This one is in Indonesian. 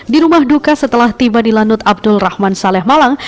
di rumah duka setelah tiba di lanut abdul rahman saleh malang